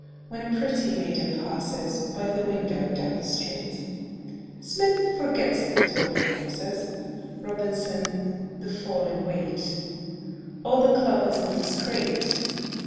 When a pretty maiden passes By the window down the street. Smith forgets the "toiling masses," Robinson, the fall in wheat; All the club is indiscret.